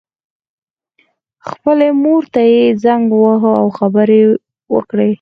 خپلې مور ته یې زنګ وواهه او خبرې یې وکړې